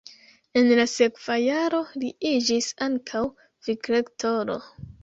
En la sekva jaro li iĝis ankaŭ vicrektoro.